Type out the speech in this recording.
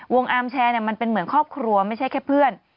อาร์มแชร์มันเป็นเหมือนครอบครัวไม่ใช่แค่เพื่อน